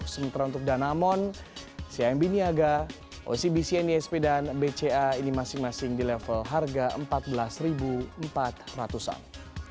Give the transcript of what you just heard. sementara untuk danamon cimb niaga ocbc nisp dan bca ini masing masing di level harga rp empat belas empat ratus an